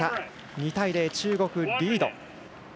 ２対０、中国リード。